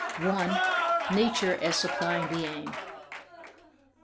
Nature as Supplying the Aim.